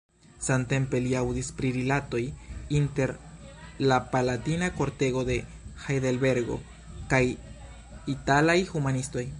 Samtempe li aŭdis pri rilatoj inter la palatina kortego de Hajdelbergo kaj italaj humanistoj.